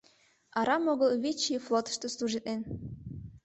Арам огыл вич ий флотышто служитлен.